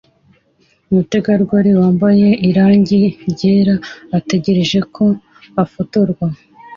Umutegarugori wambaye irangi ryera ategereje ko afotorwa